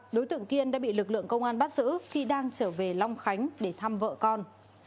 đối tượng kiên đã bị lực lượng công an bắt giữ khi đang trở về long khánh để thăm vợ con